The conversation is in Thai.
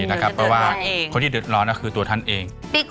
เพราะว่าคนที่เดือดร้อนก็คือตัวท่านเอง